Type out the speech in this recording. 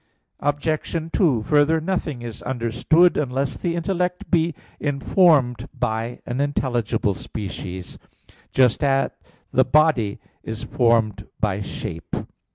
Obj. 2: Further, nothing is understood unless the intellect be informed by an intelligible species; just at the body is formed by shape.